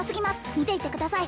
見ていてください